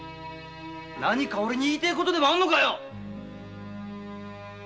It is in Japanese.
何か俺に言いたいことでもあるのかよ！